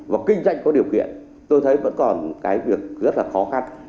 và kinh doanh có điều kiện tôi thấy vẫn còn cái việc rất là khó khăn